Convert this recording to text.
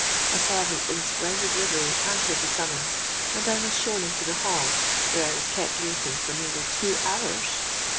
A servant in splendid livery answered the summons; and I was shown into the hall, where I was kept waiting for nearly two hours.